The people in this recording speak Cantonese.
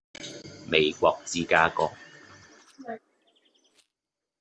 美國芝加哥